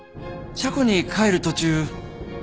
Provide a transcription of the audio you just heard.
車庫に帰る途中。